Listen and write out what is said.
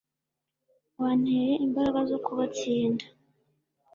wanteye imbaraga zo kubatsinda